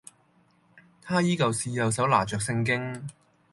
他依舊是右手拿著聖經